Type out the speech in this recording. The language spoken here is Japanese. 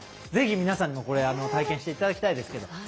ぜひ皆さんも体験していただきたいですけど